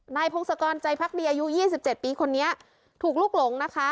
นายพงศกรใจพักดีอายุยี่สิบเจ็บปีคนนี้ถูกลูกหลงนะคะ